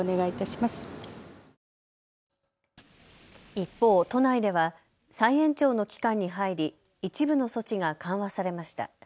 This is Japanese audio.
一方、都内では再延長の期間に入り一部の措置が緩和されました。